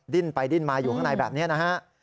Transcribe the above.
ดิ้นไปดิ้นมาอยู่ข้างในแบบนี้นะฮะ